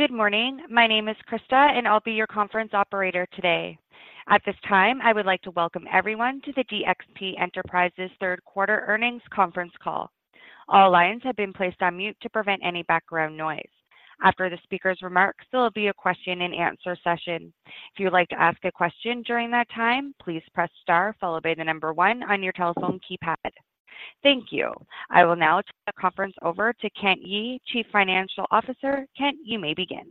Good morning. My name is Krista, and I'll be your conference operator today. At this time, I would like to welcome everyone to the DXP Enterprises Third Quarter Earnings Conference Call. All lines have been placed on mute to prevent any background noise. After the speaker's remarks, there will be a question-and-answer session. If you would like to ask a question during that time, please press star followed by the number one on your telephone keypad. Thank you. I will now turn the conference over to Kent Yee, Chief Financial Officer. Kent, you may begin.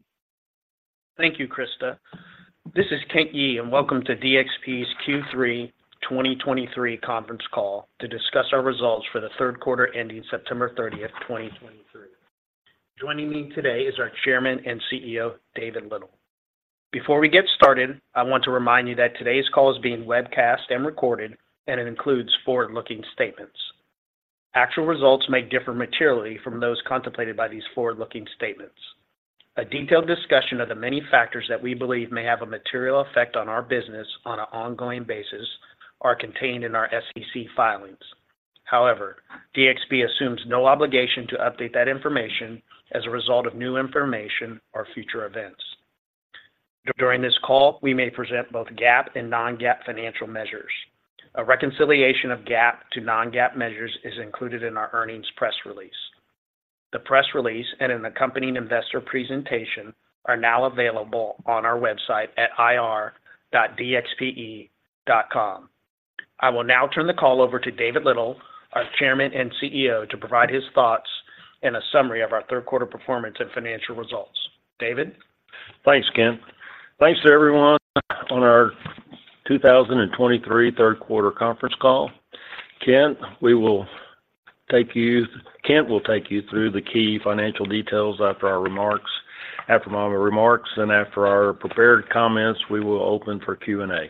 Thank you, Krista. This is Kent Yee, and welcome to DXP's Q3 2023 Conference Call to discuss our results for the third quarter ending 30 September 2023. Joining me today is our Chairman and CEO, David Little. Before we get started, I want to remind you that today's call is being webcast and recorded, and it includes forward-looking statements. Actual results may differ materially from those contemplated by these forward-looking statements. A detailed discussion of the many factors that we believe may have a material effect on our business on an ongoing basis are contained in our SEC filings. However, DXP assumes no obligation to update that information as a result of new information or future events. During this call, we may present both GAAP and non-GAAP financial measures. A reconciliation of GAAP to non-GAAP measures is included in our earnings press release. The press release and an accompanying investor presentation are now available on our website at ir.dxpe.com. I will now turn the call over to David Little, our Chairman and CEO, to provide his thoughts and a summary of our third quarter performance and financial results. David? Thanks, Kent. Thanks to everyone on our 2023 third quarter conference call. Kent, we will take you Kent will take you through the key financial details after our remarks. After my remarks and after our prepared comments, we will open for Q&A.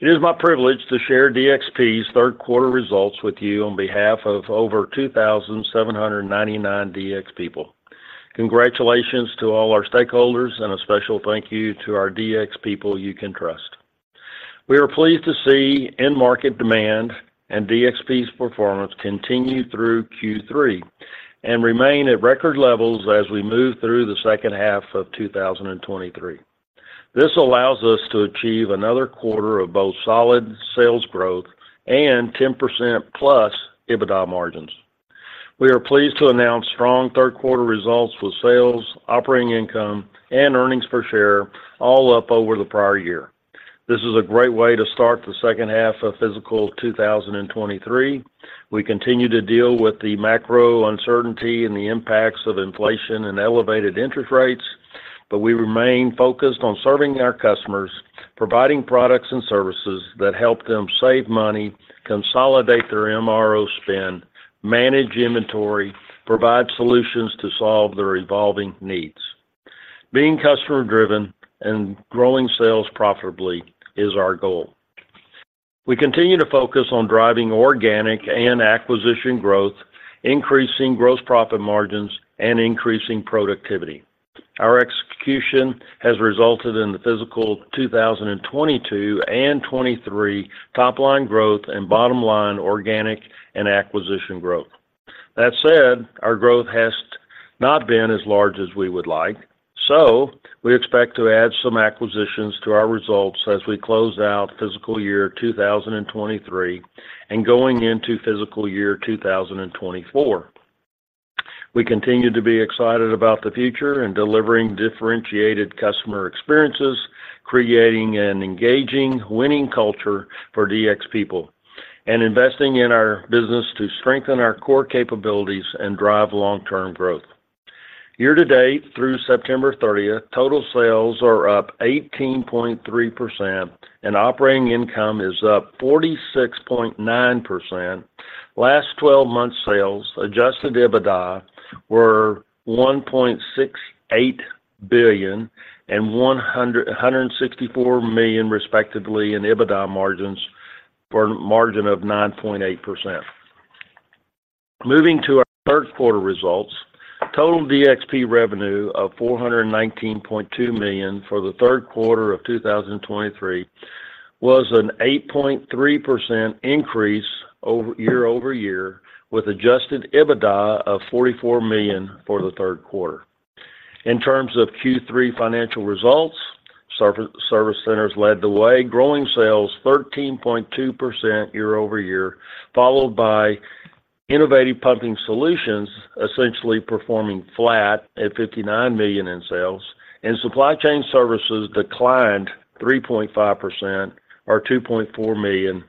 It is my privilege to share DXP's third quarter results with you on behalf of over 2,799 DXP people. Congratulations to all our stakeholders, and a special thank you to our DXP people you can trust. We are pleased to see end market demand and DXP's performance continue through Q3 and remain at record levels as we move through the second half of 2023. This allows us to achieve another quarter of both solid sales growth and 10% plus EBITDA margins. We are pleased to announce strong third quarter results with sales, operating income, and earnings per share all up over the prior year. This is a great way to start the second half of fiscal 2023. We continue to deal with the macro uncertainty and the impacts of inflation and elevated interest rates, but we remain focused on serving our customers, providing products and services that help them save money, consolidate their MRO spend, manage inventory, provide solutions to solve their evolving needs. Being customer-driven and growing sales profitably is our goal. We continue to focus on driving organic and acquisition growth, increasing gross profit margins, and increasing productivity. Our execution has resulted in the fiscal 2022 and 2023 top-line growth and bottom-line organic and acquisition growth. That said, our growth has not been as large as we would like, so we expect to add some acquisitions to our results as we close out fiscal year 2023 and going into fiscal year 2024. We continue to be excited about the future and delivering differentiated customer experiences, creating an engaging, winning culture for DXP people, and investing in our business to strengthen our core capabilities and drive long-term growth. Year to date, through September 30th, total sales are up 18.3%, and operating income is up 46.9%. Last twelve months, sales, adjusted EBITDA were $1.68 billion and $164 million, respectively, and EBITDA margins for a margin of 9.8%. Moving to our third quarter results, total DXP revenue of $419.2 million for the third quarter of 2023 was an 8.3% increase over, year-over-year, with Adjusted EBITDA of $44 million for the third quarter. In terms of Q3 financial results, Service Centers led the way, growing sales 13.2% year-over-year, followed by Innovative Pumping Solutions, essentially performing flat at $59 million in sales, and Supply Chain Services declined 3.5% or $2.4 million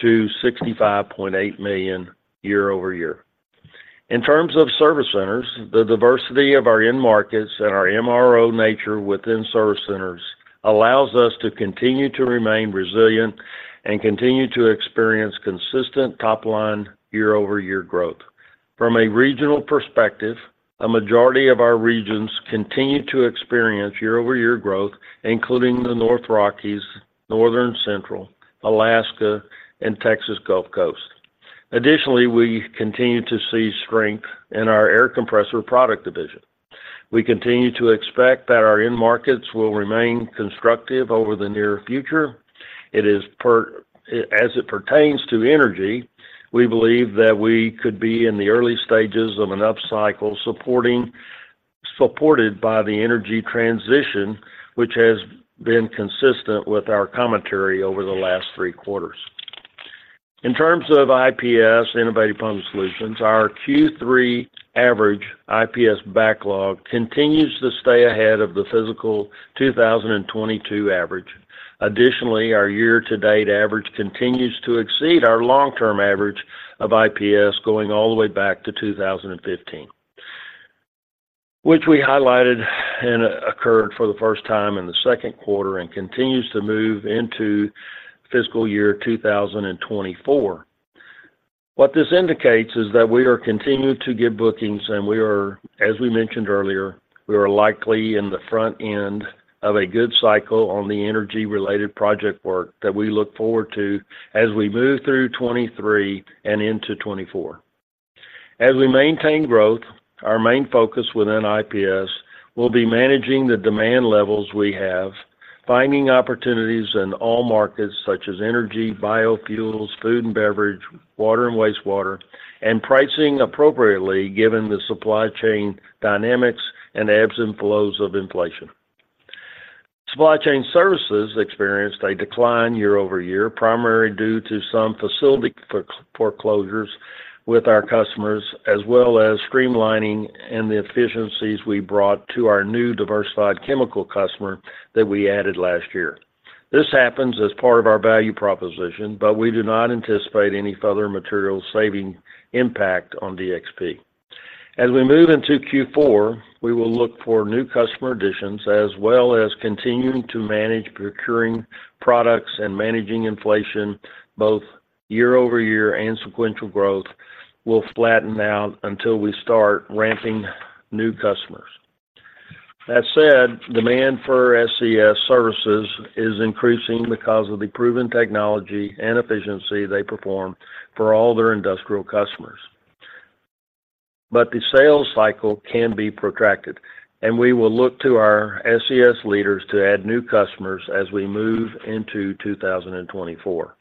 to $65.8 million year-over-year. In terms of Service Centers, the diversity of our end markets and our MRO nature within Service Centers allows us to continue to remain resilient and continue to experience consistent top-line year-over-year growth. From a regional perspective, a majority of our regions continue to experience year-over-year growth, including the North Rockies, North Central, Alaska, and Texas Gulf Coast. Additionally, we continue to see strength in our air compressor product division. We continue to expect that our end markets will remain constructive over the near future. It is as it pertains to energy, we believe that we could be in the early stages of an upcycle supported by the energy transition, which has been consistent with our commentary over the last three quarters. In terms of IPS, Innovative Pump Solutions, our Q3 average IPS backlog continues to stay ahead of the fiscal 2022 average. Additionally, our year-to-date average continues to exceed our long-term average of IPS going all the way back to 2015, which we highlighted and occurred for the first time in the second quarter and continues to move into fiscal year 2024. What this indicates is that we are continuing to get bookings, and we are, as we mentioned earlier, we are likely in the front end of a good cycle on the energy-related project work that we look forward to as we move through 2023 and into 2024. As we maintain growth, our main focus within IPS will be managing the demand levels we have, finding opportunities in all markets such as energy, biofuels, food and beverage, water and wastewater, and pricing appropriately given the supply chain dynamics and the ebbs and flows of inflation. Supply Chain Services experienced a decline year-over-year, primarily due to some facility closures with our customers, as well as streamlining and the efficiencies we brought to our new diversified chemical customer that we added last year. This happens as part of our value proposition, but we do not anticipate any further material saving impact on DXP. As we move into Q4, we will look for new customer additions as well as continuing to manage procuring products and managing inflation; both year-over-year and sequential growth will flatten out until we start ramping new customers. That said, demand for SCS services is increasing because of the proven technology and efficiency they perform for all their industrial customers. But the sales cycle can be protracted, and we will look to our SCS leaders to add new customers as we move into 2024.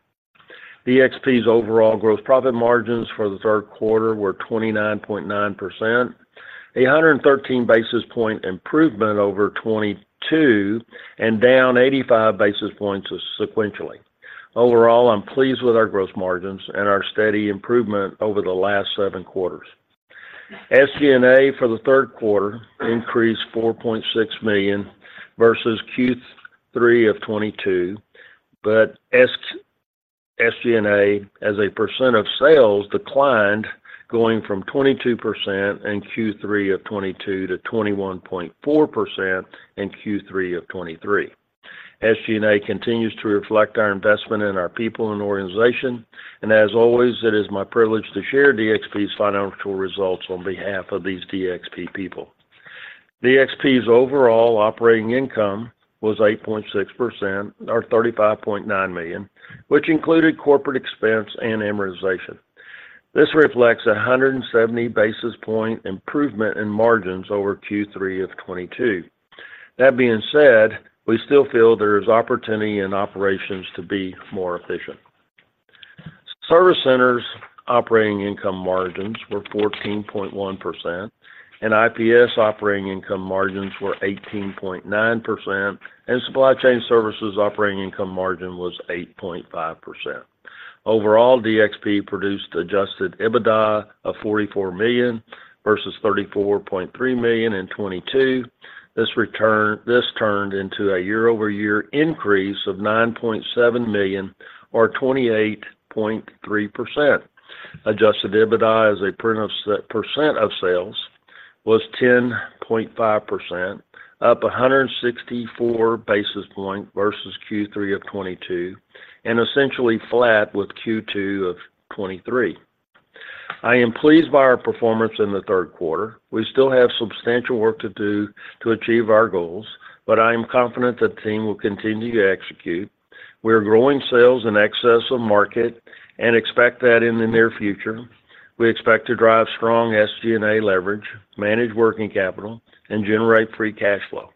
DXP's overall gross profit margins for the third quarter were 29.9%, a 113 basis point improvement over 2022, and down 85 basis points sequentially. Overall, I'm pleased with our gross margins and our steady improvement over the last seven quarters. SG&A for the third quarter increased $4.6 million versus Q3 of 2022, but SG&A, as a percent of sales, declined, going from 22% in Q3 of 2022 to 21.4% in Q3 of 2023. SG&A continues to reflect our investment in our people and organization, and as always, it is my privilege to share DXP's financial results on behalf of these DXP people. DXP's overall operating income was 8.6%, or $35.9 million, which included corporate expense and amortization. This reflects a 170 basis point improvement in margins over Q3 of 2022. That being said, we still feel there is opportunity in operations to be more efficient. Service Centers' operating income margins were 14.1%, and IPS operating income margins were 18.9%, and Supply Chain Services operating income margin was 8.5%. Overall, DXP produced Adjusted EBITDA of $44 million versus $34.3 million in 2022. This turned into a year-over-year increase of $9.7 million or 28.3%. Adjusted EBITDA as a percent of sales was 10.5%, up 164 basis points versus Q3 of 2022, and essentially flat with Q2 of 2023. I am pleased by our performance in the third quarter. We still have substantial work to do to achieve our goals, but I am confident the team will continue to execute. We are growing sales in excess of market and expect that in the near future. We expect to drive strong SG&A leverage, manage working capital, and generate free cash flow.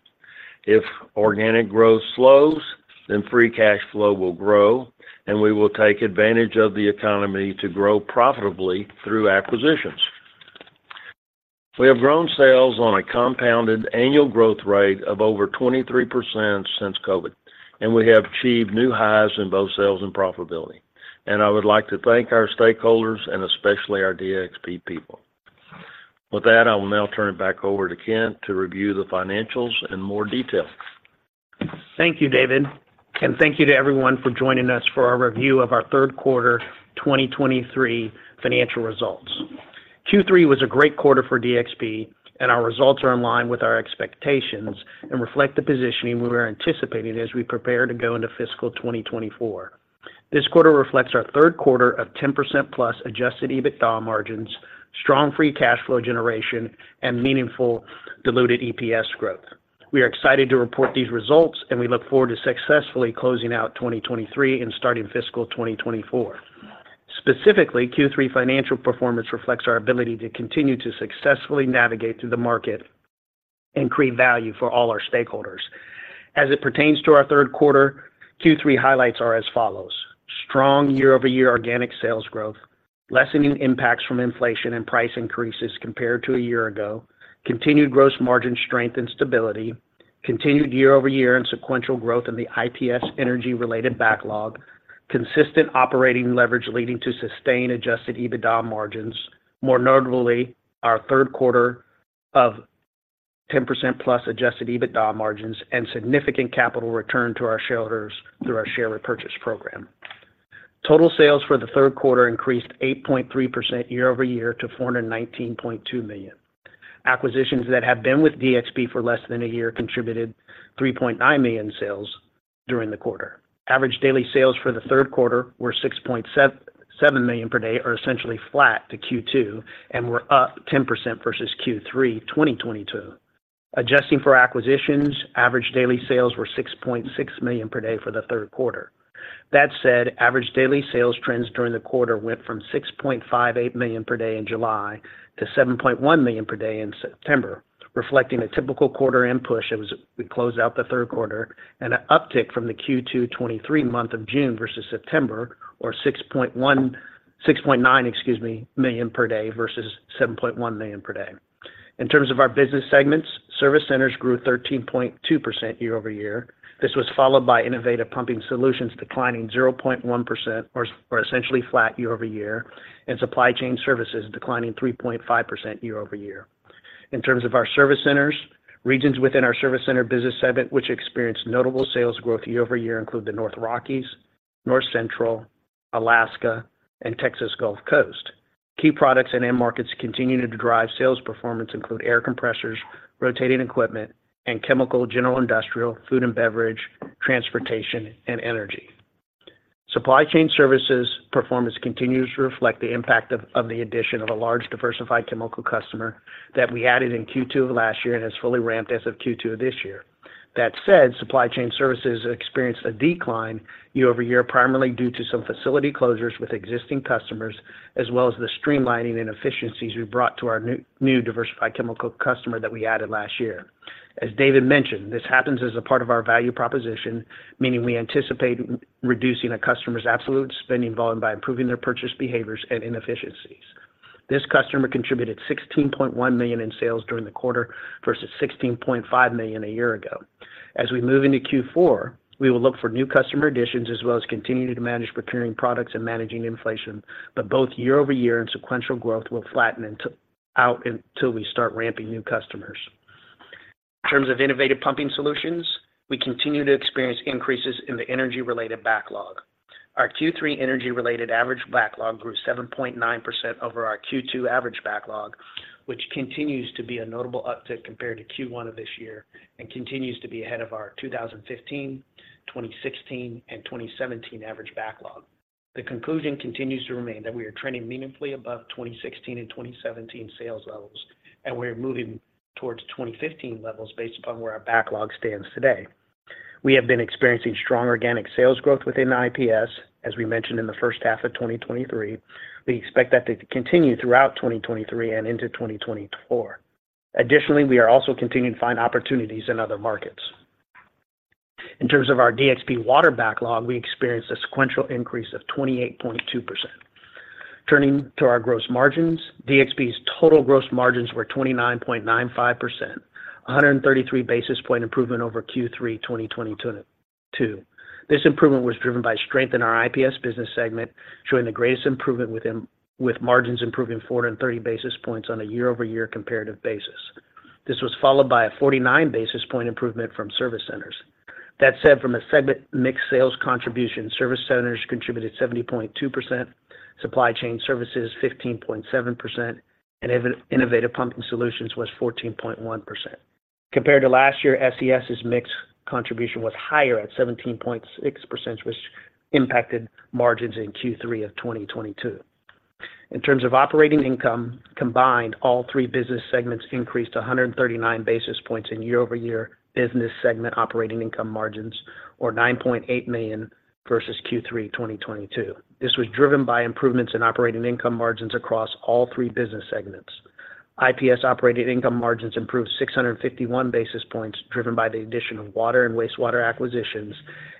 If organic growth slows, then free cash flow will grow, and we will take advantage of the economy to grow profitably through acquisitions. We have grown sales on a compounded annual growth rate of over 23% since COVID, and we have achieved new highs in both sales and profitability. I would like to thank our stakeholders and especially our DXP people. With that, I will now turn it back over to Kent to review the financials in more detail. Thank you, David, and thank you to everyone for joining us for our review of our third quarter 2023 financial results. Q3 was a great quarter for DXP, and our results are in line with our expectations and reflect the positioning we are anticipating as we prepare to go into fiscal 2024. This quarter reflects our third quarter of 10%+ adjusted EBITDA margins, strong free cash flow generation, and meaningful diluted EPS growth. We are excited to report these results, and we look forward to successfully closing out 2023 and starting fiscal 2024. Specifically, Q3 financial performance reflects our ability to continue to successfully navigate through the market... and create value for all our stakeholders. As it pertains to our third quarter, Q3 highlights are as follows: strong year-over-year organic sales growth, lessening impacts from inflation and price increases compared to a year ago, continued gross margin strength and stability, continued year-over-year and sequential growth in the IPS energy-related backlog, consistent operating leverage leading to sustained adjusted EBITDA margins. More notably, our third quarter of 10%+ adjusted EBITDA margins and significant capital return to our shareholders through our share repurchase program. Total sales for the third quarter increased 8.3% year-over-year to $419.2 million. Acquisitions that have been with DXP for less than a year contributed $3.9 million in sales during the quarter. Average daily sales for the third quarter were $6.7 million per day, or essentially flat to Q2, and were up 10% versus Q3 2022. Adjusting for acquisitions, average daily sales were $6.6 million per day for the third quarter. That said, average daily sales trends during the quarter went from $6.58 million per day in July to $7.1 million per day in September, reflecting a typical quarter end push as we close out the third quarter and an uptick from the Q2 2023 month of June versus September, or 6.1-6.9, excuse me, million per day versus $7.1 million per day. In terms of our business segments, Service Centers grew 13.2% year-over-year. This was followed by Innovative Pumping Solutions, declining 0.1% or essentially flat year-over-year, and Supply Chain Services declining 3.5% year-over-year. In terms of our Service Centers, regions within our Service Centers business segment, which experienced notable sales growth year-over-year, include the North Rockies, North Central, Alaska, and Texas Gulf Coast. Key products and end markets continuing to drive sales performance include air compressors, rotating equipment, and chemical, general industrial, food and beverage, transportation, and energy. Supply Chain Services performance continues to reflect the impact of the addition of a large, diversified chemical customer that we added in Q2 of last year and has fully ramped as of Q2 this year. That said, Supply Chain Services experienced a decline year-over-year, primarily due to some facility closures with existing customers, as well as the streamlining and efficiencies we've brought to our new diversified chemical customer that we added last year. As David mentioned, this happens as a part of our value proposition, meaning we anticipate reducing a customer's absolute spending volume by improving their purchase behaviors and inefficiencies. This customer contributed $16.1 million in sales during the quarter versus $16.5 million a year ago. As we move into Q4, we will look for new customer additions, as well as continuing to manage procuring products and managing inflation. But both year-over-year and sequential growth will flatten out until we start ramping new customers. In terms of Innovative Pumping Solutions, we continue to experience increases in the energy-related backlog. Our Q3 energy-related average backlog grew 7.9% over our Q2 average backlog, which continues to be a notable uptick compared to Q1 of this year, and continues to be ahead of our 2015, 2016, and 2017 average backlog. The conclusion continues to remain that we are trending meaningfully above 2016 and 2017 sales levels, and we are moving towards 2015 levels based upon where our backlog stands today. We have been experiencing strong organic sales growth within IPS, as we mentioned in the first half of 2023. We expect that to continue throughout 2023 and into 2024. Additionally, we are also continuing to find opportunities in other markets. In terms of our DXP water backlog, we experienced a sequential increase of 28.2%. Turning to our gross margins, DXP's total gross margins were 29.95%, a 133 basis point improvement over Q3 2022. This improvement was driven by strength in our IPS business segment, showing the greatest improvement with margins improving 430 basis points on a year-over-year comparative basis. This was followed by a 49 basis point improvement from Service Centers. That said, from a segment mix sales contribution, Service Centers contributed 70.2%, Supply Chain Services 15.7%, and Innovative Pumping Solutions was 14.1%. Compared to last year, SCS's mix contribution was higher at 17.6%, which impacted margins in Q3 of 2022. In terms of operating income, combined, all three business segments increased to 139 basis points in year-over-year business segment operating income margins, or $9.8 million versus Q3 2022. This was driven by improvements in operating income margins across all three business segments. IPS operating income margins improved 651 basis points, driven by the addition of water and wastewater acquisitions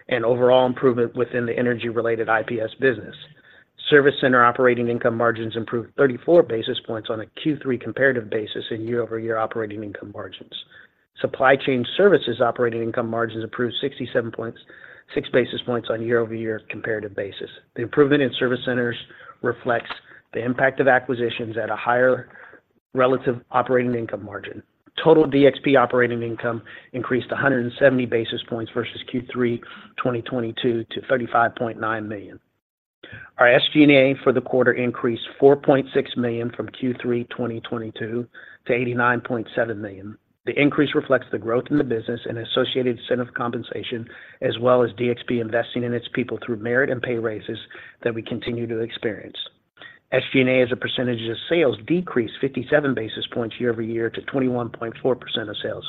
and overall improvement within the energy-related IPS business. Service Centers operating income margins improved 34 basis points on a Q3 comparative basis in year-over-year operating income margins. Supply Chain Services operating income margins improved six basis points on a year-over-year comparative basis. The improvement in Service Centers reflects the impact of acquisitions at a higher relative operating income margin. Total DXP operating income increased 170 basis points versus Q3 2022 to $35.9 million. Our SG&A for the quarter increased $4.6 million from Q3 2022 to $89.7 million. The increase reflects the growth in the business and associated incentive compensation, as well as DXP investing in its people through merit and pay raises that we continue to experience. SG&A, as a percentage of sales, decreased 57 basis points year-over-year to 21.4% of sales.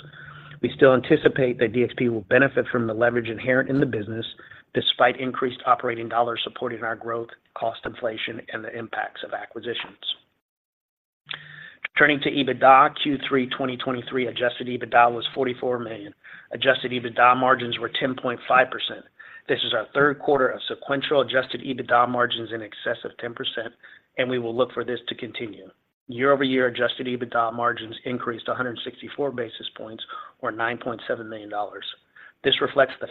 We still anticipate that DXP will benefit from the leverage inherent in the business, despite increased operating dollars supporting our growth, cost inflation, and the impacts of acquisitions. Turning to EBITDA, Q3 2023 adjusted EBITDA was $44 million. Adjusted EBITDA margins were 10.5%. This is our third quarter of sequential adjusted EBITDA margins in excess of 10%, and we will look for this to continue. Year-over-year adjusted EBITDA margins increased to 164 basis points or $9.7 million. This reflects the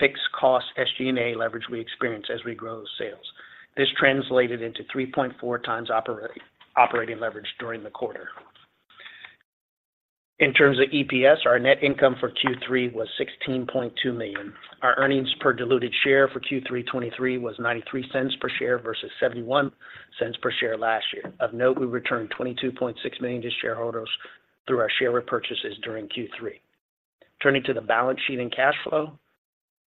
fixed cost SG&A leverage we experience as we grow sales. This translated into 3.4 times operating leverage during the quarter. In terms of EPS, our net income for Q3 was $16.2 million. Our earnings per diluted share for Q3 2023 was $0.93 per share versus $0.71 per share last year. Of note, we returned $22.6 million to shareholders through our share repurchases during Q3. Turning to the balance sheet and cash flow.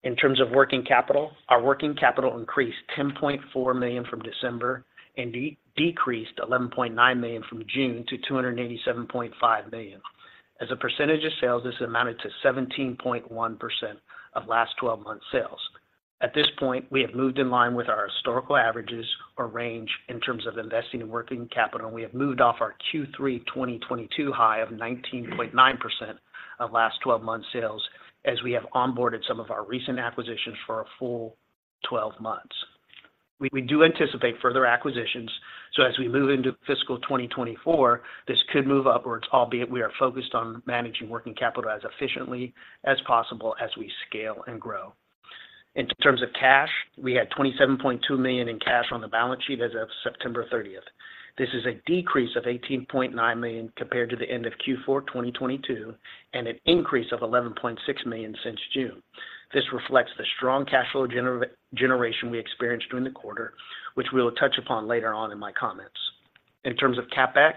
In terms of working capital, our working capital increased $10.4 million from December and decreased $11.9 million from June to $287.5 million. As a percentage of sales, this amounted to 17.1% of last twelve months sales. At this point, we have moved in line with our historical averages or range in terms of investing in working capital, and we have moved off our Q3 2022 high of 19.9% of last twelve months sales, as we have onboarded some of our recent acquisitions for a full twelve months. We do anticipate further acquisitions, so as we move into fiscal 2024, this could move upwards, albeit we are focused on managing working capital as efficiently as possible as we scale and grow. In terms of cash, we had $27.2 million in cash on the balance sheet as of 30 September. This is a decrease of $18.9 million compared to the end of Q4 2022, and an increase of $11.6 million since June. This reflects the strong cash flow generation we experienced during the quarter, which we will touch upon later on in my comments. In terms of CapEx,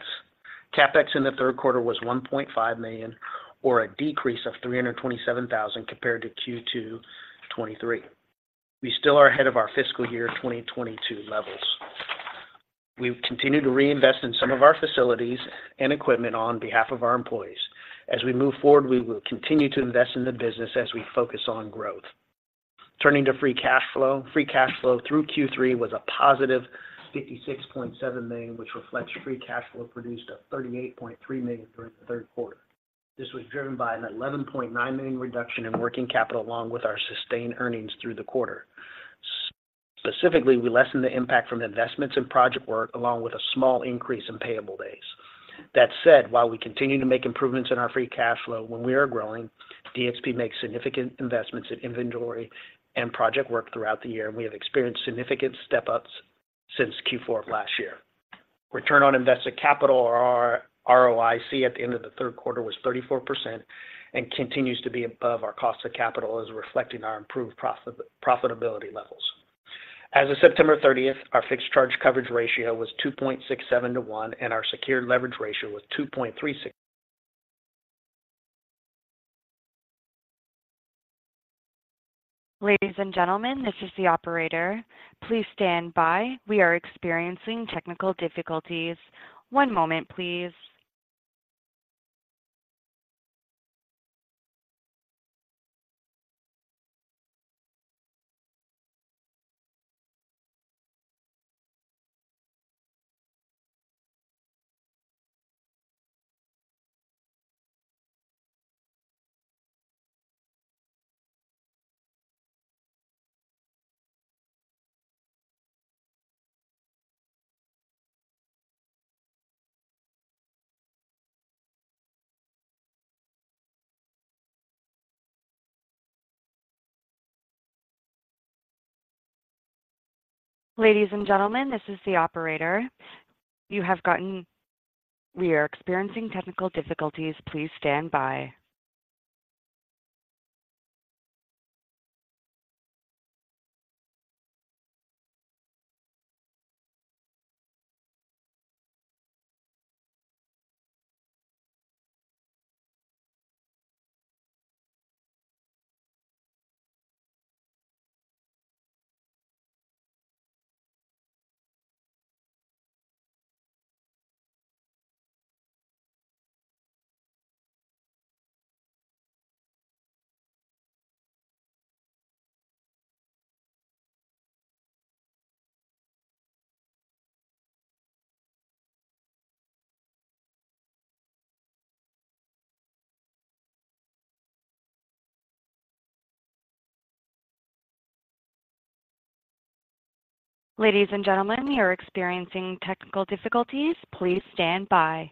CapEx in the third quarter was $1.5 million, or a decrease of $327,000 compared to Q2 2023. We still are ahead of our fiscal year 2022 levels. We've continued to reinvest in some of our facilities and equipment on behalf of our employees. As we move forward, we will continue to invest in the business as we focus on growth. Turning to free cash flow. Free cash flow through Q3 was a positive $56.7 million, which reflects free cash flow produced of $38.3 million during the third quarter. This was driven by an $11.9 million reduction in working capital, along with our sustained earnings through the quarter. Specifically, we lessened the impact from investments in project work, along with a small increase in payable days. That said, while we continue to make improvements in our free cash flow, when we are growing, DXP makes significant investments in inventory and project work throughout the year, and we have experienced significant step-ups since Q4 of last year. Return on Invested Capital or our ROIC at the end of the third quarter was 34% and continues to be above our cost of capital as reflecting our improved profitability levels. As of September 30th, our fixed charge coverage ratio was 2.67 to 1, and our secured leverage ratio was 2.36- Ladies and gentlemen, this is the operator. Please stand by. We are experiencing technical difficulties. One moment, please. Ladies and gentlemen, this is the operator. We are experiencing technical difficulties. Please stand by. Ladies and gentlemen, we are experiencing technical difficulties. Please stand by.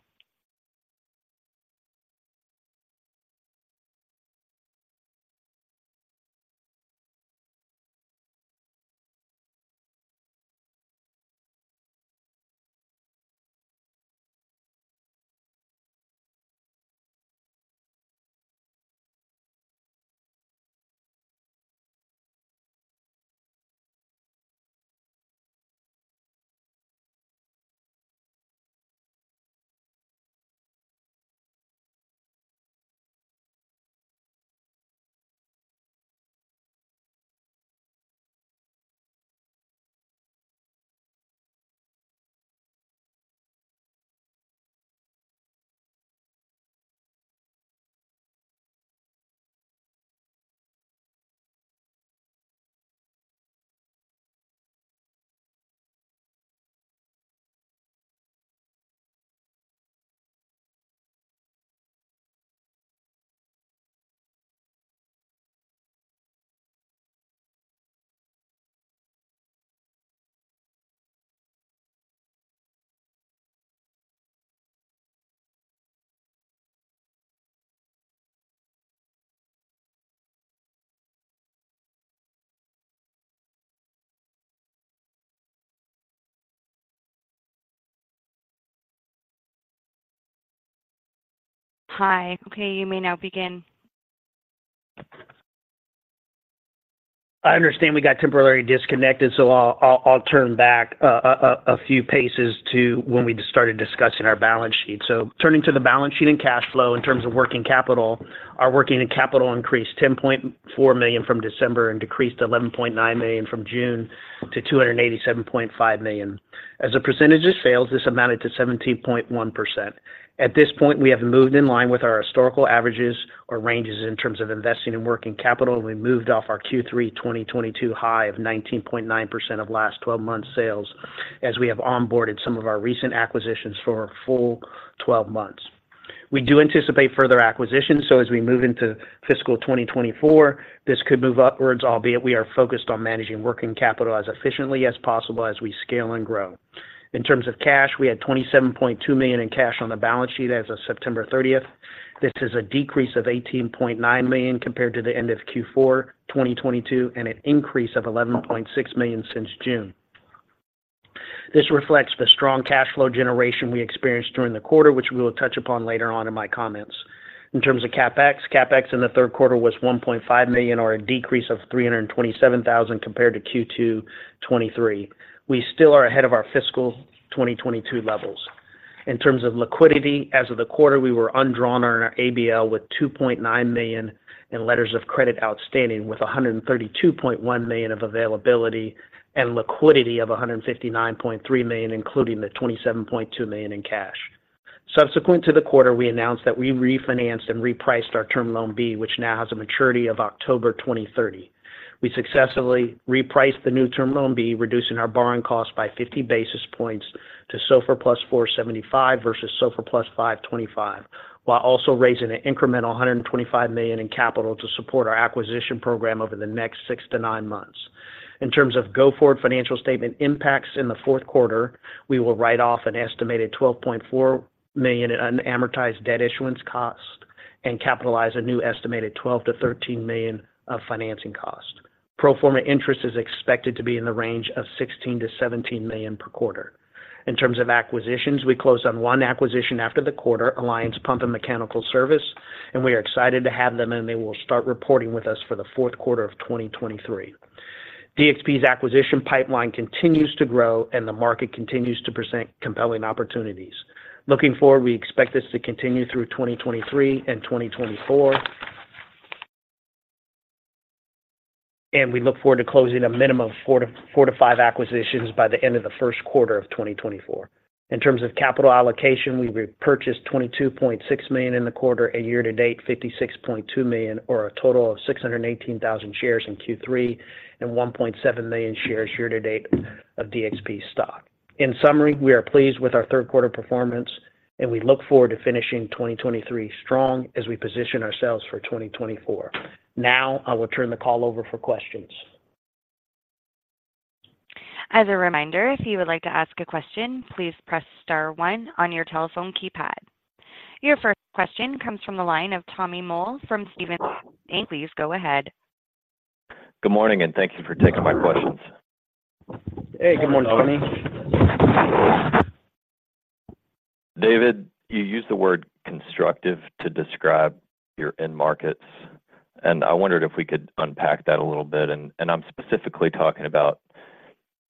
Hi. Okay, you may now begin. I understand we got temporarily disconnected, so I'll turn back a few paces to when we started discussing our balance sheet. So turning to the balance sheet and cash flow in terms of working capital, our working capital increased $10.4 million from December and decreased to $11.9 million from June to $287.5 million. As a percentage of sales, this amounted to 17.1%. At this point, we have moved in line with our historical averages or ranges in terms of investing in working capital. We moved off our Q3 2022 high of 19.9% of last twelve months sales, as we have onboarded some of our recent acquisitions for a full twelve months. We do anticipate further acquisitions, so as we move into fiscal 2024, this could move upwards, albeit we are focused on managing working capital as efficiently as possible as we scale and grow. In terms of cash, we had $27.2 million in cash on the balance sheet as of September thirtieth. This is a decrease of $18.9 million compared to the end of Q4 2022, and an increase of $11.6 million since June. This reflects the strong cash flow generation we experienced during the quarter, which we will touch upon later on in my comments. In terms of CapEx, CapEx in the third quarter was $1.5 million, or a decrease of $327,000 compared to Q2 2023. We still are ahead of our fiscal 2022 levels. In terms of liquidity, as of the quarter, we were undrawn on our ABL with $2.9 million in letters of credit outstanding, with $132.1 million of availability and liquidity of $159.3 million, including the $27.2 million in cash. Subsequent to the quarter, we announced that we refinanced and repriced our Term Loan B, which now has a maturity of October 2030. We successfully repriced the new Term Loan B, reducing our borrowing costs by 50 basis points to SOFR + 4.75 versus SOFR + 5.25, while also raising an incremental $125 million in capital to support our acquisition program over the next six to nine months. In terms of go-forward financial statement impacts in the fourth quarter, we will write off an estimated $12.4 million in unamortized debt issuance cost and capitalize a new estimated $12-$13 million of financing cost. Pro forma interest is expected to be in the range of $16-$17 million per quarter. In terms of acquisitions, we closed on one acquisition after the quarter, Alliance Pump & Mechanical Service, and we are excited to have them, and they will start reporting with us for the fourth quarter of 2023. DXP's acquisition pipeline continues to grow, and the market continues to present compelling opportunities. Looking forward, we expect this to continue through 2023 and 2024. We look forward to closing a minimum of four to five acquisitions by the end of the first quarter of 2024. In terms of capital allocation, we repurchased $22.6 million in the quarter and year-to-date, $56.2 million, or a total of 618,000 shares in Q3 and 1.7 million shares year-to-date of DXP stock. In summary, we are pleased with our third quarter performance, and we look forward to finishing 2023 strong as we position ourselves for 2024. Now, I will turn the call over for questions. As a reminder, if you would like to ask a question, please press star one on your telephone keypad. Your first question comes from the line of Tommy Moll from Stephens Inc. Please go ahead. Good morning, and thank you for taking my questions. Hey, good morning, Tommy. David, you used the word "constructive" to describe your end markets, and I wondered if we could unpack that a little bit. And I'm specifically talking about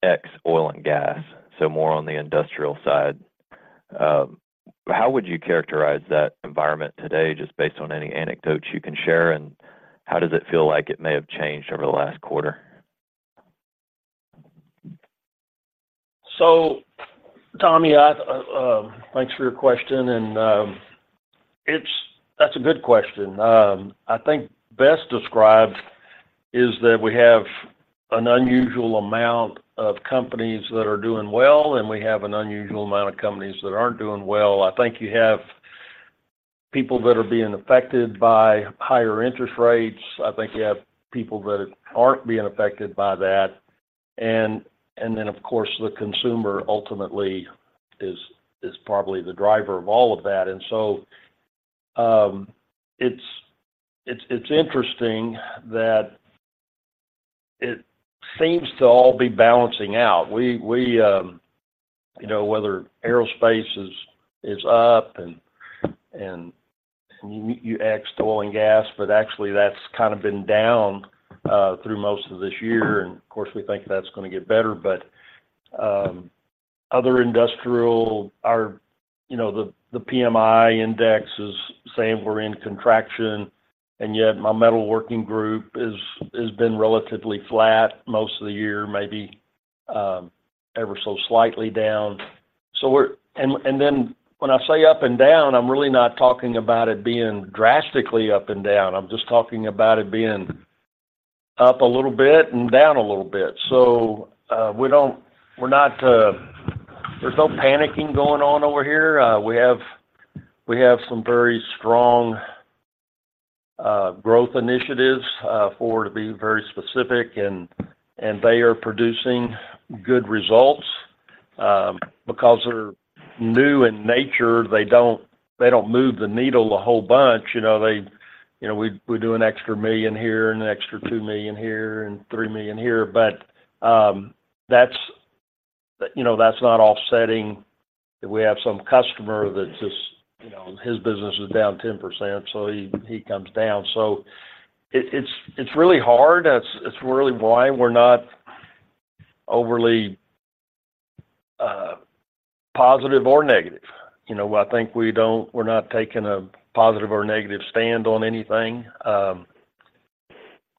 ex oil and gas, so more on the industrial side. How would you characterize that environment today, just based on any anecdotes you can share, and how does it feel like it may have changed over the last quarter? So, Tommy, I, thanks for your question, and, it's that's a good question. I think best described is that we have an unusual amount of companies that are doing well, and we have an unusual amount of companies that aren't doing well. I think you have people that are being affected by higher interest rates. I think you have people that aren't being affected by that. And then, of course, the consumer ultimately is probably the driver of all of that. And so, it's interesting that it seems to all be balancing out. We, you know, whether aerospace is up and you ex oil and gas, but actually, that's kind of been down through most of this year, and of course, we think that's gonna get better. But, other industrial or, you know, the, the PMI index is saying we're in contraction and yet my metal working group is, has been relatively flat most of the year, maybe, ever so slightly down. So we're and, and then when I say up and down, I'm really not talking about it being drastically up and down. I'm just talking about it being up a little bit and down a little bit. So, we don't we're not, there's no panicking going on over here. We have, we have some very strong, growth initiatives, for, to be very specific, and, and they are producing good results. Because they're new in nature, they don't, they don't move the needle a whole bunch. You know, they, you know, we, we do an extra $1 million here and an extra $2 million here and $3 million here, but, that's, you know, that's not offsetting, that we have some customer that just, you know, his business is down 10%, so he, he comes down. So it, it's, it's really hard. That's, it's really why we're not overly, positive or negative. You know, I think we don't, we're not taking a positive or negative stand on anything.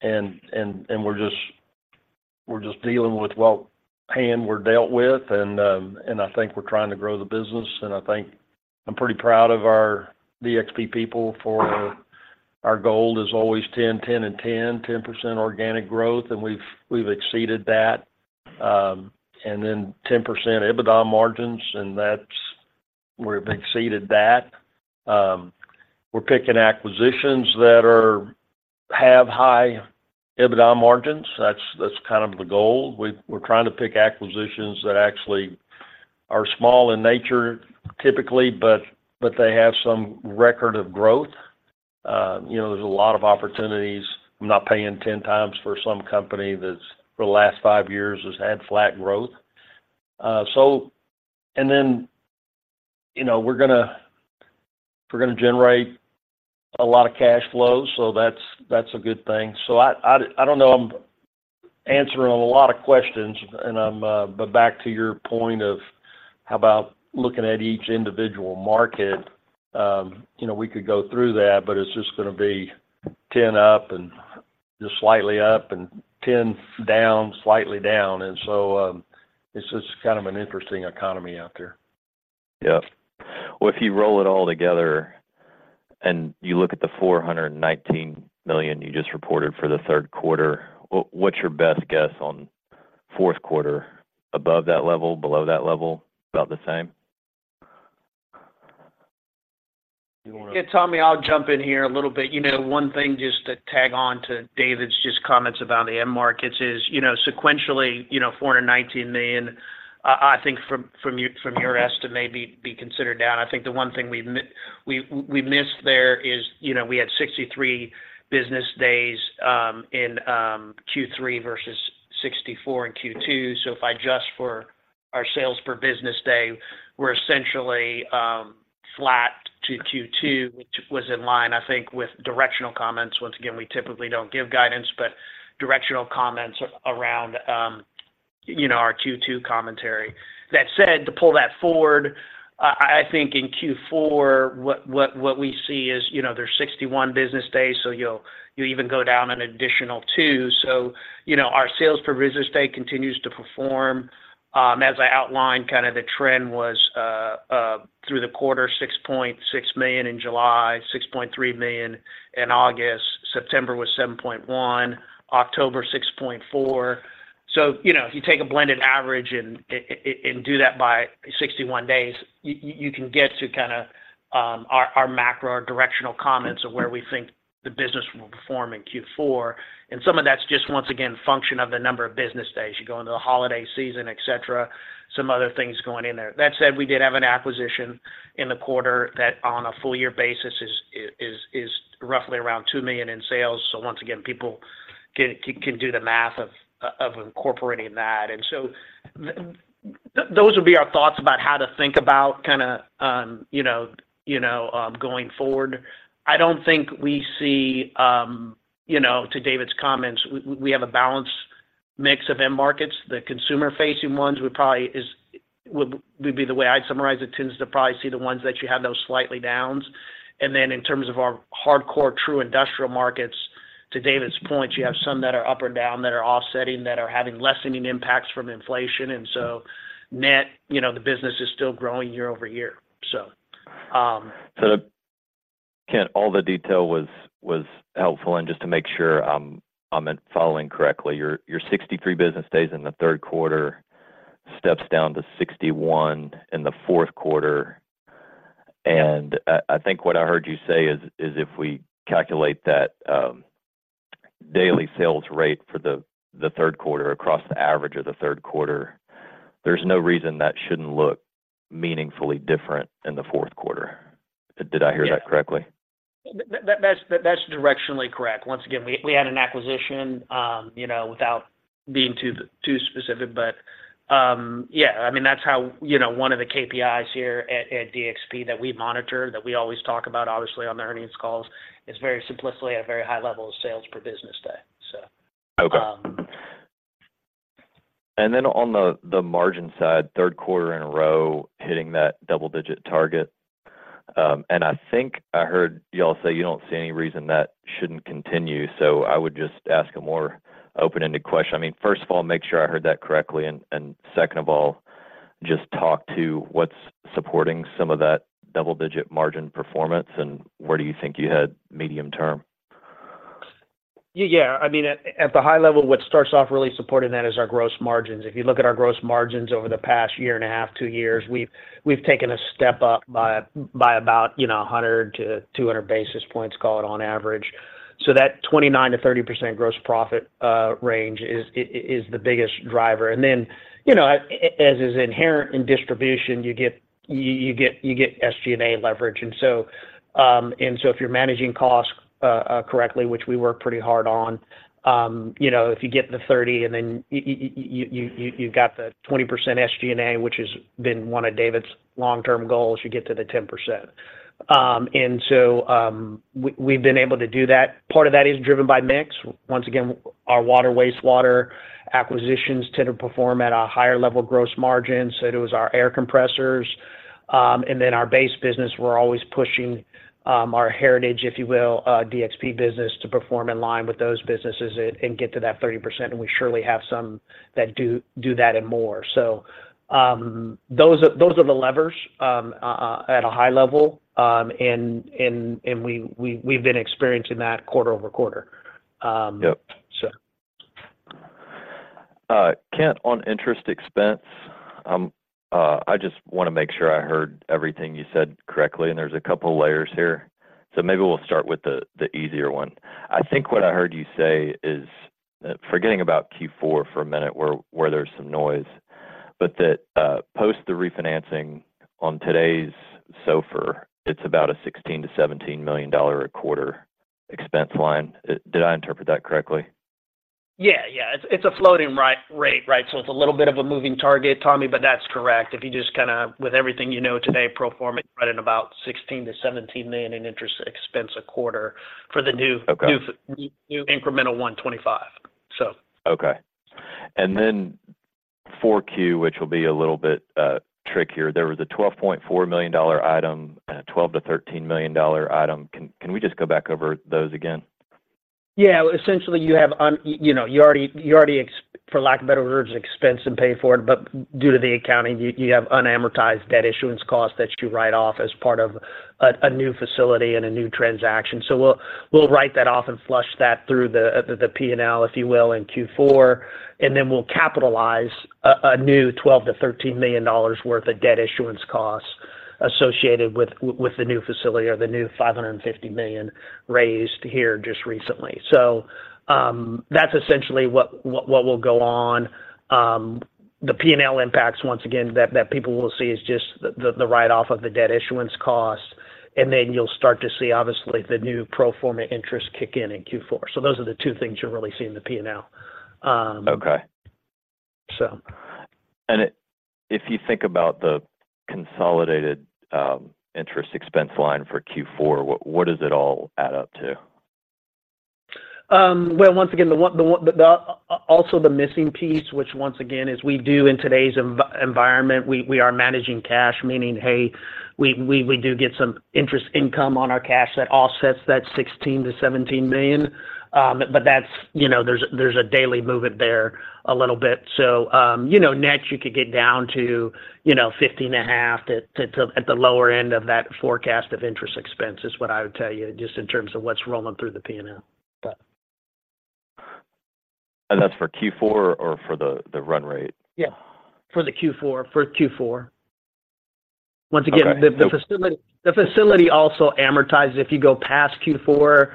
And, and, and we're just, we're just dealing with what hand we're dealt with, and, and I think we're trying to grow the business, and I think I'm pretty proud of our DXP people for our goal is always 10, 10, and 10. 10% organic growth, and we've, we've exceeded that. And then 10% EBITDA margins, and that's, we've exceeded that. We're picking acquisitions that are, have high EBITDA margins. That's, that's kind of the goal. We, we're trying to pick acquisitions that actually are small in nature, typically, but, but they have some record of growth. You know, there's a lot of opportunities. I'm not paying 10x for some company that's, for the last five years, has had flat growth. And then, you know, we're gonna, we're gonna generate a lot of cash flow, so that's, that's a good thing. So I don't know. I'm answering a lot of questions, and I'm. But back to your point of how about looking at each individual market, you know, we could go through that, but it's just gonna be 10 up and just slightly up and 10 down, slightly down, and so, it's just kind of an interesting economy out there. Yep. Well, if you roll it all together and you look at the $419 million you just reported for the third quarter, what, what's your best guess on fourth quarter? Above that level, below that level, about the same? Yeah, Tommy, I'll jump in here a little bit. You know, one thing, just to tag on to David's just comments about the end markets is, you know, sequentially, you know, $419 million, I think from your estimate may be considered down. I think the one thing we missed there is, you know, we had 63 business days in Q3 versus 64 in Q2. So if I adjust for our sales per business day, we're essentially flat to Q2, which was in line, I think, with directional comments. Once again, we typically don't give guidance, but directional comments around, you know, our Q2 commentary. That said, to pull that forward, I think in Q4, what we see is, you know, there's 61 business days, so you'll even go down an additional two. So, you know, our sales per business day continues to perform. As I outlined, kind of the trend was through the quarter, $6.6 million in July, $6.3 million in August, September was $7.1 million, October, $6.4 million. So, you know, if you take a blended average and do that by 61 days, you can get to kind of our macro, our directional comments of where we think the business will perform in Q4. And some of that's just, once again, function of the number of business days. You go into the holiday season, et cetera, some other things going in there. That said, we did have an acquisition in the quarter that on a full year basis is roughly around $2 million in sales. So once again, people can do the math of incorporating that. And so those would be our thoughts about how to think about kind of, you know, you know, going forward. I don't think we see, you know, to David's comments, we have a balanced mix of end markets. The consumer-facing ones would probably is would be the way I'd summarize it, tends to probably see the ones that you have those slightly downs. And then in terms of our hardcore, true industrial markets, to David's point, you have some that are up or down, that are offsetting, that are having lessening impacts from inflation. So net, you know, the business is still growing year-over-year, so So, Kent, all the detail was helpful, and just to make sure I'm following correctly, your 63 business days in the third quarter steps down to 61 in the fourth quarter. And I think what I heard you say is if we calculate that daily sales rate for the third quarter across the average of the third quarter, there's no reason that shouldn't look meaningfully different in the fourth quarter. Did I hear that correctly? Yes. That's directionally correct. Once again, we had an acquisition, you know, without being too specific, but, yeah, I mean, that's how, you know, one of the KPIs here at DXP that we monitor, that we always talk about, obviously, on the earnings calls, is very simplistically a very high level of sales per business day, so. Okay. Then on the margin side, third quarter in a row, hitting that double-digit target. I think I heard y'all say you don't see any reason that shouldn't continue, so I would just ask a more open-ended question. I mean, first of all, make sure I heard that correctly, and second of all, just talk to what's supporting some of that double-digit margin performance, and where do you think you head medium term? Yeah, I mean, at the high level, what starts off really supporting that is our gross margins. If you look at our gross margins over the past year and a half, two years, we've taken a step up by about, you know, 100 to 200 basis points, call it, on average. So that 29%-30% gross profit range is the biggest driver. And then, you know, as is inherent in distribution, you get SG&A leverage. And so if you're managing costs correctly, which we work pretty hard on, you know, if you get the 30 and then you you've got the 20% SG&A, which has been one of David's long-term goals, you get to the 10%. And so, we've been able to do that. Part of that is driven by mix. Once again, our water, wastewater acquisitions tend to perform at a higher level of gross margin, so does our air compressors. And then our base business, we're always pushing, our heritage, if you will, DXP business, to perform in line with those businesses and get to that 30%, and we surely have some that do that and more. So, those are the levers at a high level, and we've been experiencing that quarter-over-quarter. Yep. So. Kent, on interest expense, I just wanna make sure I heard everything you said correctly, and there's a couple layers here. So maybe we'll start with the easier one. I think what I heard you say is, forgetting about Q4 for a minute, where there's some noise, but that post the refinancing on today's SOFR, it's about a $16 million to $17 million a quarter expense line. Did I interpret that correctly? Yeah, yeah. It's, it's a floating rate, right? So it's a little bit of a moving target, Tommy, but that's correct. If you just kinda, with everything you know today, pro forma it right in about $16 million to $17 million in interest expense a quarter for the new- Okay... new incremental $125. So. Okay. And then 4Q, which will be a little bit trickier. There was a $12.4 million item, $12-$13 million item. Can we just go back over those again? Yeah. Essentially, you have—you know, you already, you already expense and pay for it, for lack of better words, but due to the accounting, you have unamortized debt issuance costs that you write off as part of a new facility and a new transaction. So we'll write that off and flush that through the P&L, if you will, in Q4, and then we'll capitalize a new $12 million to $13 million worth of debt issuance costs associated with the new facility or the new $550 million raised here just recently. So, that's essentially what will go on. The P&L impacts, once again, that people will see is just the write-off of the debt issuance cost, and then you'll start to see, obviously, the new pro forma interest kick in in Q4. So those are the two things you'll really see in the P&L. Okay. So. If you think about the consolidated interest expense line for Q4, what does it all add up to? Well, once again, also the missing piece, which once again, as we do in today's environment, we are managing cash, meaning, hey, we do get some interest income on our cash that offsets that $16 million to $17 million. But that's, you know, there's a daily movement there a little bit. So, you know, net, you could get down to, you know, 15.5 to, at the lower end of that forecast of interest expense, is what I would tell you, just in terms of what's rolling through the P&L. But That's for Q4 or for the run rate? Yeah, for the Q4. For Q4. Okay. Once again, the facility also amortizes. If you go past Q4,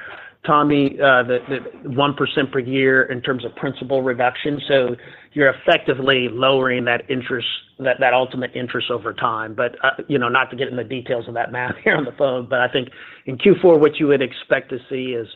Tommy, the 1% per year in terms of principal reduction, so you're effectively lowering that interest, that ultimate interest over time. But, you know, not to get into the details of that math here on the phone, but I think in Q4, what you would expect to see is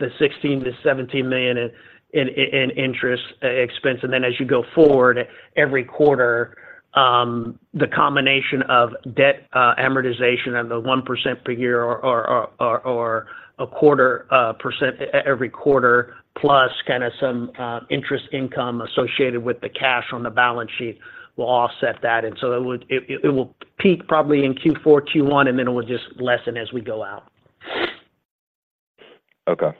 the $16 million to $17 million in interest expense. And then as you go forward, every quarter, the combination of debt amortization and the 1% per year or a quarter percent every quarter, plus kinda some interest income associated with the cash on the balance sheet will offset that. And so it would peak probably in Q4, Q1, and then it will just lessen as we go out. Okay.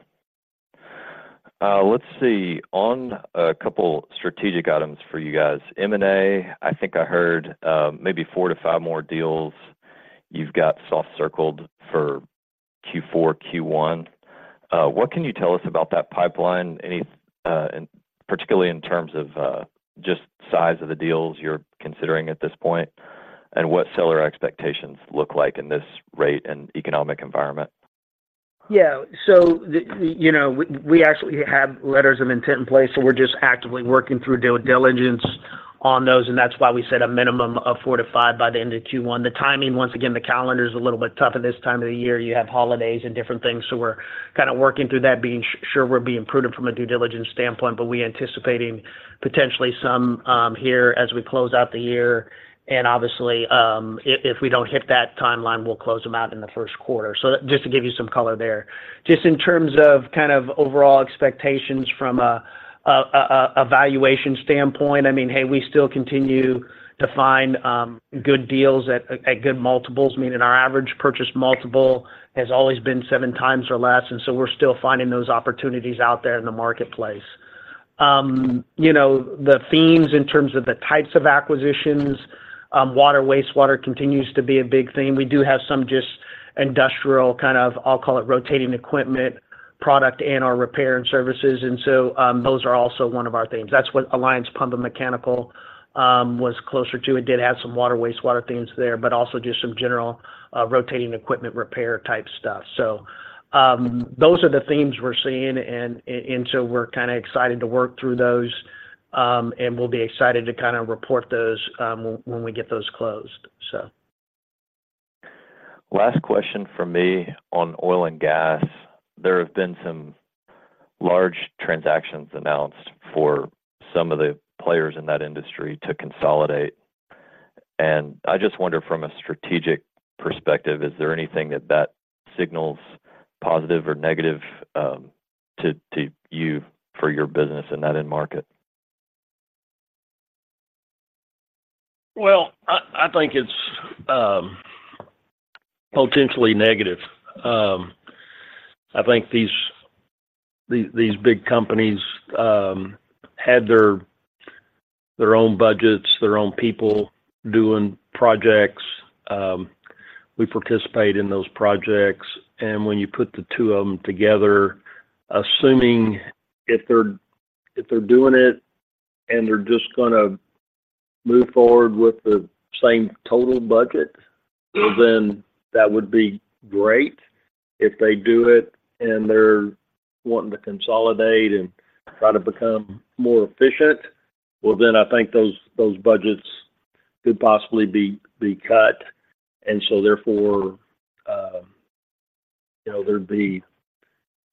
Let's see. On a couple strategic items for you guys, M&A, I think I heard, maybe four to five more deals you've got soft circled for Q4, Q1. What can you tell us about that pipeline? And particularly in terms of, just size of the deals you're considering at this point, and what seller expectations look like in this rate and economic environment? Yeah. So you know, we actually have letters of intent in place, so we're just actively working through due diligence on those, and that's why we set a minimum of four to five by the end of Q1. The timing, once again, the calendar is a little bit tough at this time of the year. You have holidays and different things, so we're kinda working through that, being sure we're being prudent from a due diligence standpoint, but we're anticipating potentially some here as we close out the year. And obviously, if we don't hit that timeline, we'll close them out in the first quarter. So just to give you some color there. Just in terms of kind of overall expectations from a valuation standpoint, I mean, hey, we still continue to find good deals at good multiples. Meaning our average purchase multiple has always been 7x or less, and so we're still finding those opportunities out there in the marketplace. You know, the themes in terms of the types of acquisitions, water, wastewater continues to be a big theme. We do have some just industrial, kind of, I'll call it, rotating equipment product in our repair and services, and so, those are also one of our themes. That's what Alliance Pump and Mechanical was closer to. It did have some water, wastewater themes there, but also just some general, rotating equipment repair type stuff. So, those are the themes we're seeing and so we're kind of excited to work through those, and we'll be excited to kind of report those, when we get those closed, so. Last question from me on oil and gas. There have been some large transactions announced for some of the players in that industry to consolidate, and I just wonder from a strategic perspective, is there anything that that signals positive or negative, to, to you for your business in that end market? Well, I think it's potentially negative. I think these big companies had their own budgets, their own people doing projects. We participate in those projects, and when you put the two of them together, assuming they're doing it, and they're just gonna move forward with the same total budget, well, then that would be great. If they do it, and they're wanting to consolidate and try to become more efficient, well, then I think those budgets could possibly be cut, and so therefore, you know, there'd be.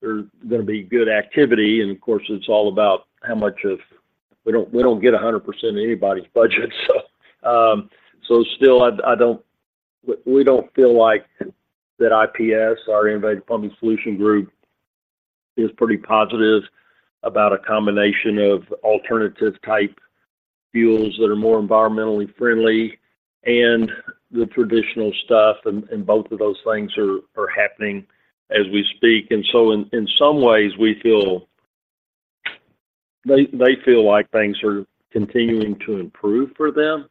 There's gonna be good activity, and of course, it's all about how much of we don't get 100% of anybody's budget. So, so still, I don't we don't feel like that IPS, our Innovative Pumping Solutions group, is pretty positive about a combination of alternative type fuels that are more environmentally friendly and the traditional stuff, and both of those things are happening as we speak. And so in some ways, we feel they feel like things are continuing to improve for them,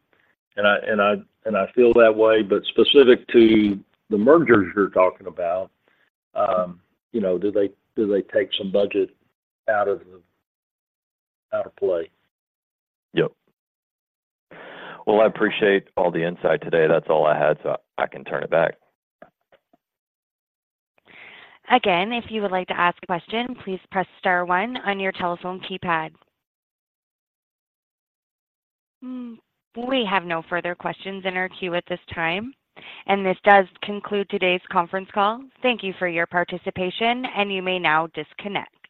and I feel that way. But specific to the mergers you're talking about, you know, do they take some budget out of play? Yep. Well, I appreciate all the insight today. That's all I had, so I can turn it back. Again, if you would like to ask a question, please press star one on your telephone keypad. We have no further questions in our queue at this time, and this does conclude today's conference call. Thank you for your participation, and you may now disconnect.